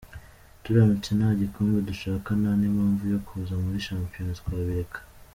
Turamutse nta gikombe dushaka nta n’impamvu yo kuza muri shampiyona , twabireka.